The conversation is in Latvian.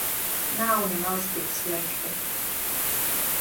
Nav nemaz tik slikti.